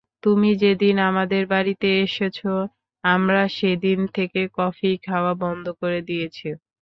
তুমি যেদিন আমাদের বাড়িতে এসেছে, আমরা সেদিন থেকে কফি খাওয়া বন্ধ করে দিয়েছি।